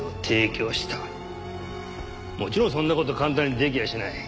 もちろんそんな事簡単にできやしない。